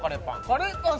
カレーパン